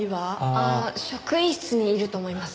ああ職員室にいると思います。